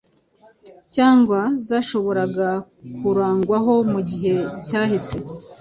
cyangwa zashoboraga kurugwaho mu gihe cyahise,